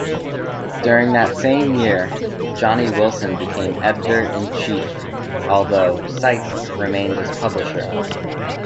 During that same year, Johnny Wilson became editor-in-chief, although Sipe remained as Publisher.